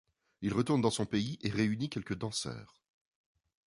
Il retourne dans son pays et réunit quelques danseurs.